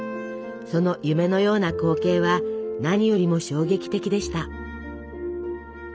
その「夢のような光景」は何よりも衝撃的でした。